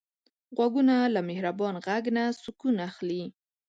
غوږونه له مهربان غږ نه سکون اخلي